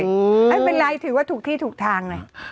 เอ้าไม่เป็นไรถือว่าทุกที่ทุกทาง